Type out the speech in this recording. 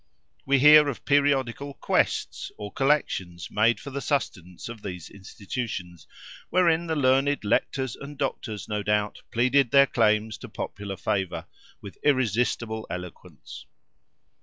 We hear of periodical quests or collections made for the sustenance of these institutions, wherein the learned Lectors and Doctors, no doubt, pleaded their claims to popular favour, with irresistible eloquence.